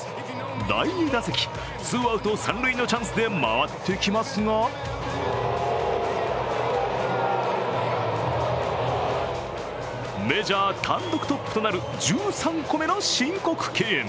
第２打席、ツーアウト三塁のチャンスで回ってきますがメジャー単独トップとなる１３個目の申告敬遠。